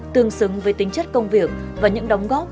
tương xứng với tính chất công việc và những đóng góp